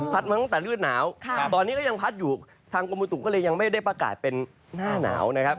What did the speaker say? มาตั้งแต่ลื่นหนาวตอนนี้ก็ยังพัดอยู่ทางกรมบุตุก็เลยยังไม่ได้ประกาศเป็นหน้าหนาวนะครับ